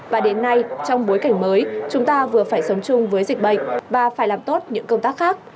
và đến nay trong bối cảnh mới chúng ta vừa phải sống chung với dịch bệnh và phải làm tốt những công tác khác